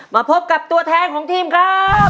มาพบกับตัวแทนของทีมครับ